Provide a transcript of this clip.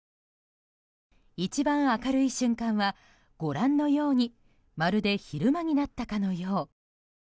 一番明るい瞬間は、ご覧のようにまるで昼間になったかのよう。